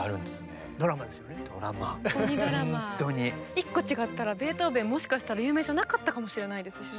一個違ったらベートーベンもしかしたら有名じゃなかったかもしれないですしね。